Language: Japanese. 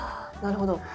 あなるほど。